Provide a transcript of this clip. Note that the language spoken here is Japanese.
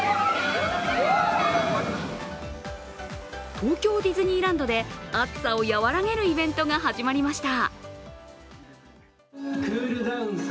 東京ディズニーランドで暑さを和らげるイベントが始まりました。